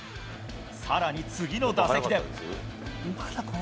さらに、次の打席で。